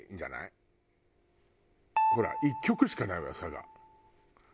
ほら１局しかないわよ佐賀。